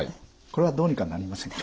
これはどうにかなりませんか？